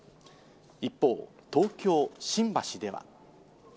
一方、東京・新橋では。